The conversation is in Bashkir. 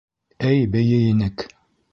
Эй бейей инек!